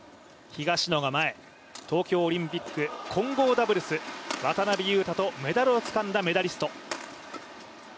東京オリンピック混合ダブルス、渡辺勇大とメダルをつかんだメダリスト。